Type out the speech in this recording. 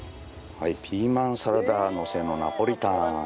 ピーマンサラダのせのナポリタン。